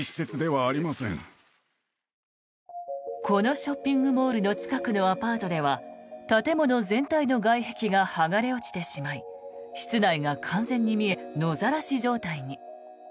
このショッピングモールの近くのアパートでは建物全体の外壁が剥がれ落ちてしまい室内が完全に見え野ざらし状態に。